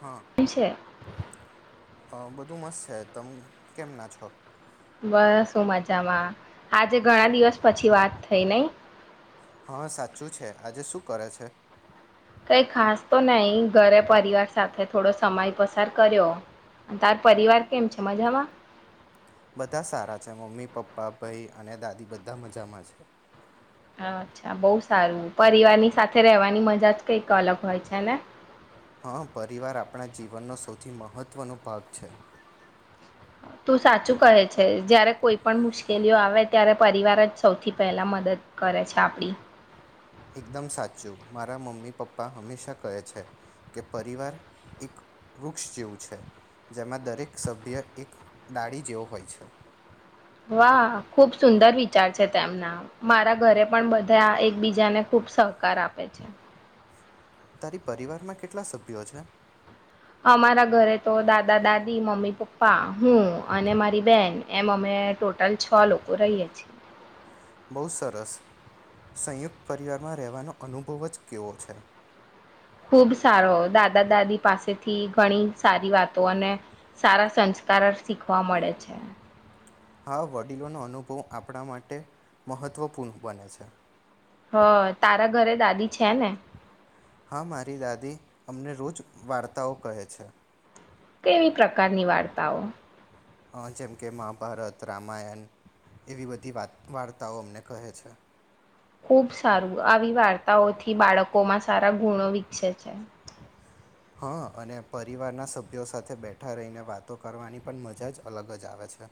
હા મુ છે અ બધું મસ્ત છે તમે કેમ ના છો બસું મજામાં આજે ઘણા દિવસ પછી વાત થઈ ન હા સાચું છે આજે શું કરે છે કઈ ખાસ તો નઈ ઘરે પરિવાર સાથે થોડો સમય પસાર કર્યો અને તાર પરિવાર કેમ છે મજામાં બધા સારા છે મમ્મી પપ્પા ભાઈ અને દાદી બધા મજામાં છે અચ્છા બહ સારું પરિવાર ની સાથે રહેવાની મજા જ કઈક અલગ હોય છેને હા પરિવાર આપણા જીવનનો સૌથી મહત્વનો ભાગ છે તું સાચું કહે છે જયારે કોઈ પણ મુશ્કેલીઓ આવે ત્યારે પરિવાર જ સૌથી પહેલા મદદ કરે છે આપડી એકદમ સાચું મારા મમ્મી પપ્પા હંમેશા કહે છે કે પરિવાર એક વૃક્ષ જેવું છે જેમાં દરેક સભ્ય એક ડાડી જેવો હોય છે વાહ ખુબ સુંદર વિચાર છે તેમના મારા ઘરે પણ બધા એકબીજાને ખુબ સહકાર આપે છે તારી પરિવારમાં કેટલા સભ્યો છે અમારા ઘરે તો દાદા દાદી મમ્મી પપ્પા હું અને મારી બેન એમ અમે ટોટલ છ લોકો રહીએ છીએ બહુ સરસ સંયુક્ત પરિવારમાં રહેવાનો અનુભવ જ કેવો છે ખુબ સારો દાદા દાદી પાસેથી ઘણી સારી વાતો અને સારા સંસ્કાર શીખવા મળે છે હા વડીલોનો અનુભવ આપણા માટે મહત્વપૂર્ણ બને છે હ તારા ઘરે દાદી છે ને હા મારી દાદી અમને રોજ વાર્તાઓ કહે છે કેવી પ્રકારની વાર્તાઓ જેમ કે મહાભારત રામાયણ એવી બધી વાત વાર્તાઓ અમને કહે છે તા ઓ થી બાળકો માં સારા ગુણો વિકસે છે હા અને પરિવારના સભ્યો સાથે બેઠા રહીને વાતો કરવાની પણ મજા જ અલગ જ આવે છે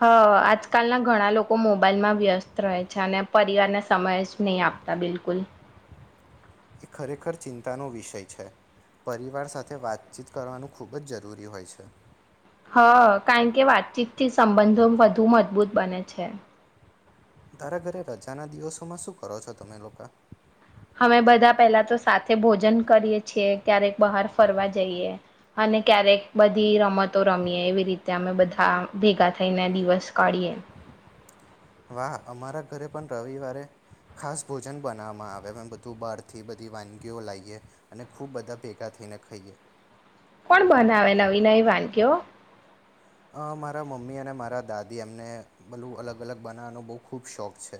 હ આજકાલના ઘણા લોકો મોબાઈલમાં વ્યસ્ત રહે છે અને પરિવારને સમય જ નહી આપતા બિલકુલ એ ખરેખર ચિંતાનો વિષય છે પરિવાર સાથે વાતચીત કરવાનું ખૂબ જ જરૂરી હોય છે હ કારણ કે વાતચીતથી સંબંધો વધુ મજબૂત બને છે તારા ઘરે રજાના દિવસોમાં શું કરો છો તમે લોકો અમે બધા પેલા તો સાથે ભોજન કરીએ છીએ ક્યારેક બહાર ફરવા જઈએ અને ક્યારેક બધી રમતો રમીએ એવી રીતે અમે બધા ભેગા થઈને દિવસ કાઢીએ વાહ અમારા ઘરે પણ રવિવારે ખાસ ભોજન બનાવવામાં આવે અ બધું બહારથી બધી વાનગીઓ લાઈએ અને ખૂબ બધા ભેગા થઈને ખાઈએ થ કયો મારા મમ્મી અને મારા દાદી એમને બલું અલગ અલગ બનાવવાનો બહુ ખૂબ શોખ છે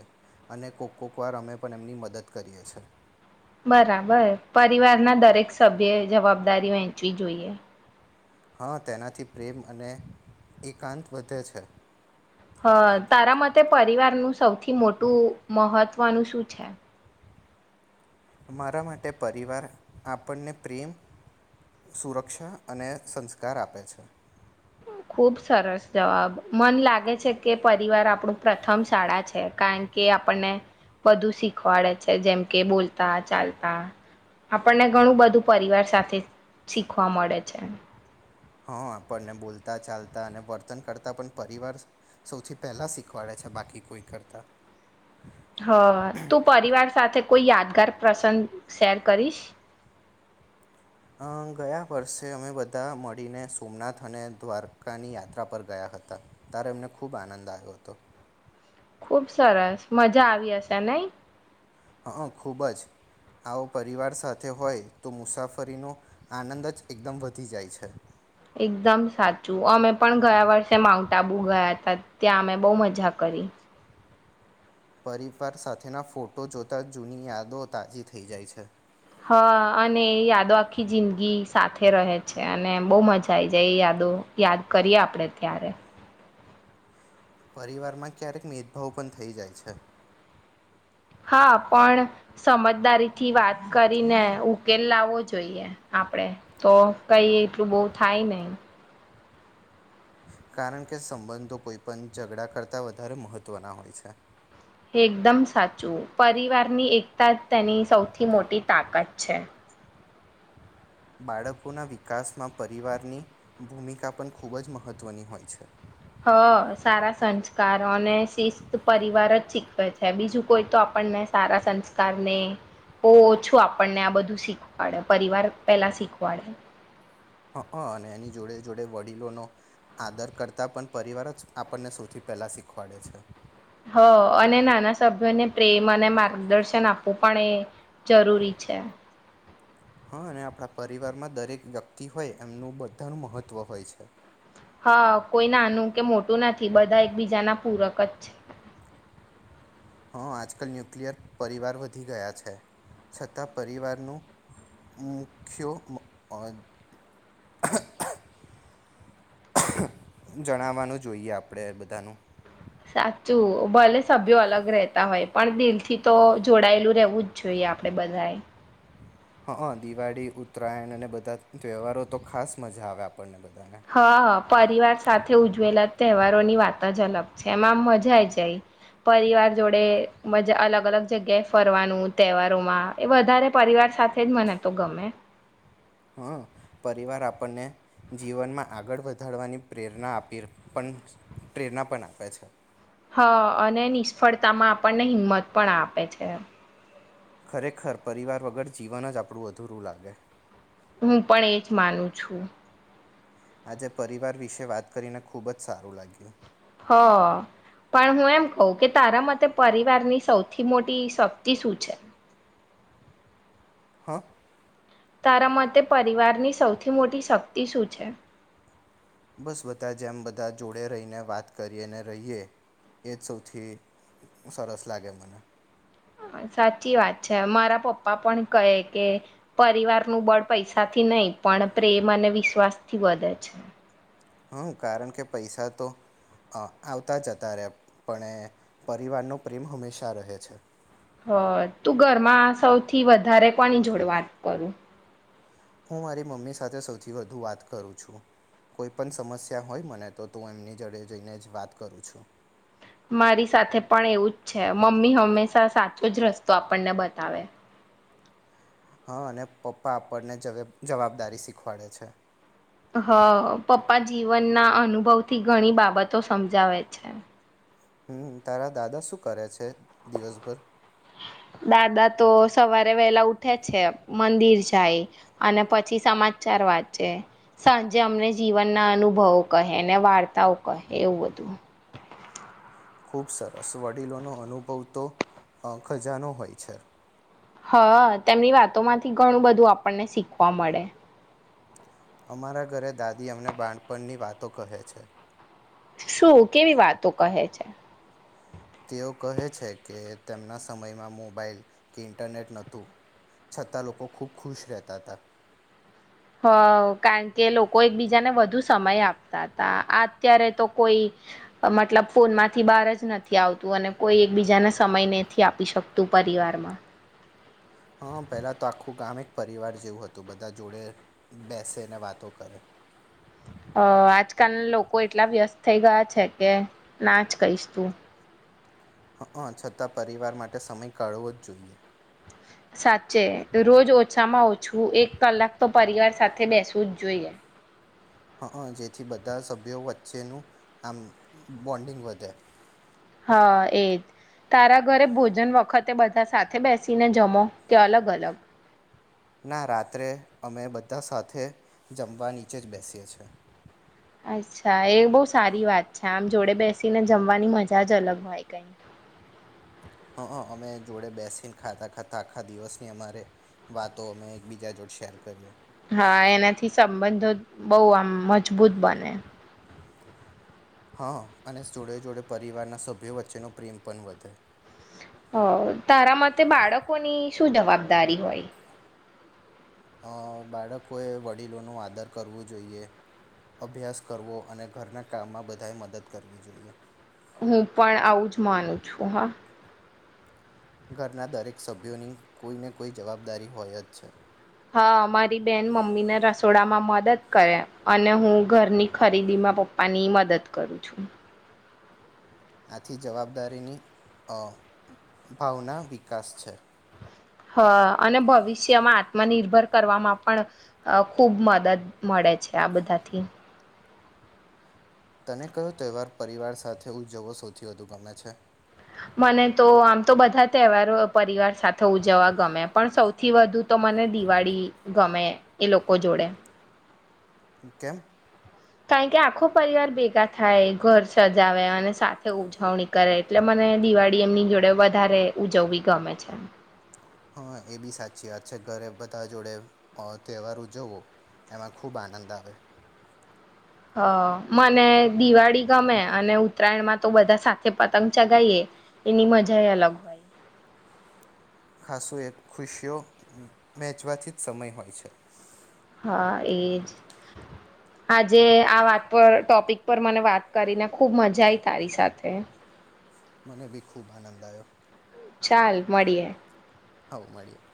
અને કોક કોકવાર અમે પણ એમની મદદ કરીએ છે બરાબર પરિવારના દરેક સભ્ય જવાબદારી વહેંચવી જોઈએ હા તેનાથી પ્રેમ અને એકાંત વધે છે હ તારા મતે પરિવારનું સૌથી મોટું મહત્વનું શું છે મારા માટે પરિવાર આપણને પ્રેમ સુરક્ષા અને સંસ્કાર આપે છે ખુબ સરસ જવાબ મન લાગે છે કે પરિવાર આપણું પ્રથમ શાળા છે કારણ કે આપણને બધું શીખવાડે છે જેમ કે બોલતા ચાલતા આપણને ઘણું બધું પરિવાર સાથે શીખવા મળે છે હા આપણને બોલતા ચાલતા અને વર્તન કરતાં પણ પરિવાર સૌથી પહેલા શીખવાડે છે બાકી કોઈ કરતા હ તું પરિવાર સાથે કોઈ યાદગાર પ્રસંગ શેર કરીશ ગયા વર્ષે અમે બધા મળીને સોમનાથ અને દ્વારકાની યાત્રા પર ગયા હતા ત્યારે અમને ખૂબ આનંદ આવ્યો હતો ખુબ સરસ મજા આવી હશે નઈ હં ખૂબ જ આવો પરિવાર સાથે હોય તો મુસાફરીનો આનંદ જ એકદમ વધી જાય છે એકદમ સાચું અમે પણ ગયા વર્ષે માઉન્ટ આબુ ગયા હતા ત્યાં અમે બહુ મજા કરી પરિવાર સાથેના ફોટો જોતા જૂની યાદો તાજી થઈ જાય છે હા અને એ યાદો આખી જિંદગી સાથે રહે છે અને બહુ મજા આ આવી જાય એ યાદો યાદ કરીએ આપણેે ત્યારે પરિવારમાં ક્યારેક મેદભાવ પણ થઈ જાય છે હા પણ સમજદારી થી વાત કરીને ઉકેલ લાવવો જોઈએ આપડે તો કઈ એટલું બહ થાય નહી કારણ કે સંબંધો કોઈ પણ ઝઘડા કરતા વધારે મહત્વના હોય છે એકદમ સાચું પરિવારની એકતા જ તેની સૌથી મોટી તાકાત છે બાળકોના વિકાસમાં પરિવારની ભૂમિકા પણ ખૂબ જ મહત્ત્વની હોય છે હ સારા સંસ્કાર અને શિસ્ત પરિવાર જ શીખવે છે બીજું કોઈ તો આપણને સારા સંસ્કારને બહ ઓછું આપણને આ બધું શીખવાડે પરિવાર પેલા શીખવાડે હ હ અને એની જોડે જોડે વડીલોનો આદર કરતાં પણ પરિવાર જ આપણને સૌથી પહેલા શીખવાડે છે હ અને નાના સભ્યોને પ્રેમ અને માર્ગદર્શન આપવું પણ એ જરૂરી છે હા અને આપણા પરિવારમાં દરેક વ્યક્તિ હોય એમનું બધાનું મહત્વ હોય છે હા કોઈ નાનું કે મોટું નથી બધા એકબીજાના પૂરક જ છે આજકાલ ન્યુક્લિયર પરિવાર વધી ગયા છે છતાં પરિવારનું મુખ્ય જણાવવાનું જોઈએ આપણેે બધાનું સાચું ભલે સભ્યો અલગ રહેતા હોય પણ દિલ થી તો જોડાયેલું રહેેવું જ જોઈએ આપડે બધાએ હા દિવાળી ઉત્તરાયણ અને બધા તહેવારો તો ખાસ મજા આવે આપ હા હ પરિવાર સાથે ઉજવેલા તહેવારોની વાત જ અલગ છે એમાંમ મજા જાય પરિવાર જોડે મજા અલગ અલગ જગ્યાએ ફરવાનું તહેવારોમાં એ વધારે પરિવાર સાથે જ મને તો ગમે હં પરિવાર આપણને જીવનમાં આગળ વધારવાની પ્રેરણા આપી પણ પ્રેરણા પણ આપે છે હા અને નિષ્ફળતામાં આપણને હિંમત પણ આપે છે ખરેખર પરિવાર વગર જીવન જ આપણું અધૂરું લાગે હું પણ એજ માનું છું આજે પરિવાર વિશે વાત કરીને ખુબ જ સારું લાગ્યું હ પણ હું એમ કઉ કે તારા મતે પરિવારની સૌથી મોટી શક્તિ શું છે હા તારા મતે પરિવારની સૌથી મોટી શક્તિ શું છે બસ બધા જેમ બધા જોડે રહીને વાત કરીએ અને રહીએ એ જ સૌથી સરસ લાગે મને સાચી વાત છે મારા પપ્પા પણ કહે કે પરિવારનુંું બળ પૈસાથી નહ પણ પ્રેમ અને વિશ્વાસ થી વધે છે હ કારણ કે પૈસા તો આવતા જતા રહ પણ પરિવારનો પ્રેમ હંમેશા રહે છે હ તું ઘરમાં સૌથી વધારે કોની જોડ વાત કરું હું મારી મમ્મી સાથે સૌથી વધુ વાત કરું છું કોઈ પણ સમસ્યા હોય મને તો તું એમની જડે જઈને જ વાત કરું છું મારી સાથે પણ એવું જ છે મમ્મી હંમેશા સાચો જ રસ્તો આપણને બતાવે હા અને પપ્પા આપણને જવાબદારી શીખવાડે છે હ પપ્પા જીવનના અનુભવથી ઘણી બાબતો સમજાવે છે હમ તારા દાદા શું કરે છે દિવસભર દાદા તો સવારે વહેલા ઉઠે છે મંદિર જાય અને પછી સમાચાર વાંચે સાંજે અમને જીવન ના અનુભવો કહે ને વાર્તાઓ કહે એવું બધું ખૂબ સરસ વડીલોનો અનુભવ તો ખજાનો હોય છે હા તેમની વાતો માંથી ઘણું બધું આપણને શીખવા મળે અમારા ઘરે દાદી અમને બાણપણની વાતો કહે છે શું કેવી વાતો કહે છે તેઓ કહે છે કે તેમના સમયમાં મોબાાઈલ કે ઈન્ટરનેટ નતું છતાં લોકો ખૂબ ખુશ રહેતા હતા હવ કારણ કે લોકો એકબીજાને વધુ સમય આપતા તા આ અત્યારે તો કોઈ મતલબ ફોનમાંથી બહાર જ નથી આવતું અને કોઈ એકબીજાને સમય નથી આપી શકતું પરિવારમાં હા પહેલા તો આખું ગામ એક પરિવાર જેવું હતું બધા જોડે બેસે ને વાતો કરે અ આજકાલ લોકો એટલા વ્યસ્ત થઈ ગયા છે કે નાજ કહીશ તું હઅ છતાં પરિવાર માટે સમય કાઢવો જ જોઈએ સાચે રોજ ઓછામાં ઓછું એક કલાક તો પરિવાર સાથે બેસવું જ જોઈએ હઅ જેથી બધા સભ્યો વચ્ચેનું આમ બોન્ડિંગ વધે હ એજ તારા ઘરે ભોજન વખતે બધા સાથે બેસીને જમો કે અલગ અલગ ના રાત્રે અમે બધા સાથે જમવા નીચે જ બેસીએ છીએ અચ્છા એ બહુ સારી વાત છે આમ જોડે બેસીને જમવાની મજા જ અલગ હોય કઈ હંઅ અમે જોડે બેસીને ખાતા ખાતા આખા દિવસની અમારે વાતો અમે એકબીજા જોડે શેર કરીએ હા એનાથી સંબંધો બહુ આમ મજબૂત બને હં અને જોડે જોડે પરિવારના સભ્યો વચ્ચેનો પ્રેમ પણ વધે હ તારા મતે બાળકોની શું જવાબદારી હોય અ બાળકોએ વડીલોનો આદર કરવું જોઈએ અભ્યાસ કરવો અને ઘરના કામમાં બધાએ મદદ કરવી જોઈએ હું પણ આવું જ માનું છું હા ઘરના દરેક સભ્યોની કોઈને કોઈ જવાબદારી હોય જ છે હા મારી બેન મમ્મી ને રસોડામાં મદદ કરે અને હું ઘરની ખરીદીમાં પપ્પાની મદદ કરું છું આથી જવાબદારીની અ ભાવના વિકાસ છે હ અને ભવિષ્યમાં આત્મનિર્ભર કરવામાં પણ ખૂબ મદદ મળે છે આ બધાથી તને કહ્યો તહેવાર પરિવાર સાથે ઉજજવો સૌથી વધુ ગમે છે મને તો આમ તો બધા તહેવારો પરિવાર સાથે ઉજવવા ગમે પણ સૌથી વધુ તો મને દિવાળી ગમે એ લોકો જોડે કેેમ કારણ કે આખુ પરિવાર ભેગા થાય ઘર સજાવે અને સાથે ઉજવણી કરે એટલે મને દિવાળી એમની જોડે વધારે ઉજવવી ગમે છે હા એ બી સાચી વાત છે ઘરે બધા જોડે અ તહેવારો ઉજવો એમાં ખૂબ આનંદ આવે હ મને દિવાળી ગમે અને ઉત્તરાયણમાં તો બધા સાથે પતંગ ચગાઈએ એની મજા એ અલગ હોય ખાસું એક ખુશીઓ વહેચવાથી જ સમય હોય છે હા એજ આજે આ વાત પર ટોપિક પર મને વાત કરીને ખુબ મજા આઈ તારી સાથે મને બી ખૂબ આનંદ આવયો ચાલ મળીએે હા મળ્યે